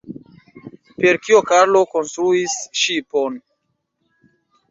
Per kio Karlo konstruis ŝipon?